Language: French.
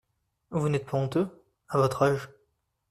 Vous n’êtes pas honteux… à votre âge !